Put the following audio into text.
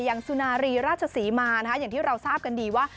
สุนารีราชศรีมานะคะอย่างที่เราทราบกันดีว่า